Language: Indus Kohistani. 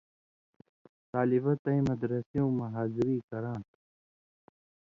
طالیۡبہ تَیں مدرسیُوں مہ حاضری کراں تھہ۔